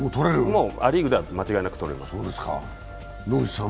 ア・リーグでは間違いなく取れます。